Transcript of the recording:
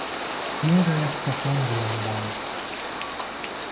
Kio do estas en vi ambaŭ?